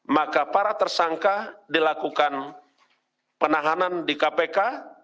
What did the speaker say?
maka para tersangka dilakukan penahanan di kpk